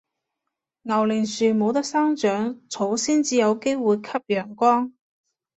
牛令樹冇得生長，草先至有機會吸陽光